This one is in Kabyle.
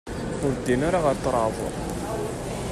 Ur ddin ara ɣer ṭraḍ